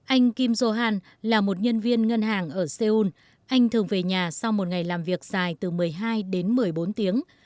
anh kim jo han là một nhân viên ngân hàng ở seoul anh thường về nhà sau một ngày làm việc dài từ một mươi hai đến một mươi bốn tiếng